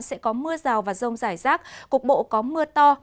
sẽ có mưa rào và rông rải rác cục bộ có mưa to